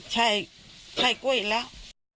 ใช่ใช่กล้วยแล้ว